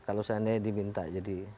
kalau seandainya diminta jadi